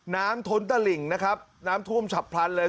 ท้นตะหลิ่งนะครับน้ำท่วมฉับพลันเลย